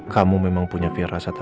kamu memang punya keinginan